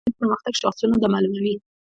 د اقتصادي پرمختګ شاخصونه دا معلوموي.